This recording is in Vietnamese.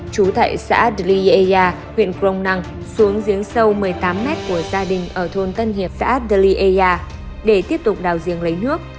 trú tại xã adliyea huyện crong năng xuống giếng sâu một mươi tám mét của gia đình ở thôn tân hiệp xã adliyea để tiếp tục đào giếng lấy nước